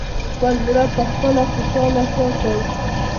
خپل زړه پخپله خوشاله ساتی!